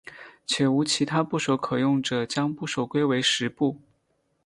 且无其他部首可用者将部首归为石部。